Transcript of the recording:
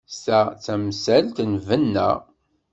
Ta d tamsalt n lbenna.